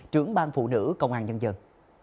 trưởng bang phụ nữ công an nhân dân